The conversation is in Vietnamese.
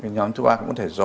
nhóm thứ ba cũng có thể do